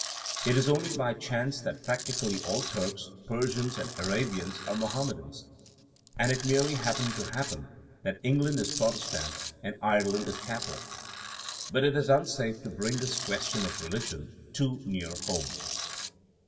It is only by chance that practi cally all Turks, Persians and Arabians are Mohammedans. And it merely happened to happen that England is Protestant and Ireland is Catholic. ..• But it is unsafe to bring this question of religion too near home.